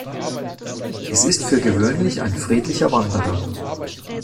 Es ist für gewöhnlich ein friedlicher Wanderer.